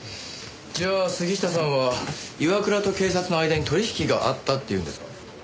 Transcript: じゃあ杉下さんは岩倉と警察の間に取引があったって言うんですか？